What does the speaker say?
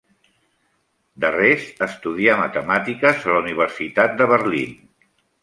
D'Arrest estudià matemàtiques a la Universitat de Berlín.